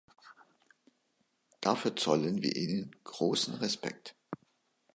Dafür zollen wir Ihnen großen Respekt.